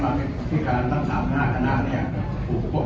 โอ้ให้ผมพูดคุณต้องไปพูดโอ้ผมขอให้คุณศิรัทธิ์แล้วคุณพูดนะ